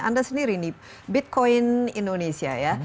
anda sendiri nih bitcoin indonesia ya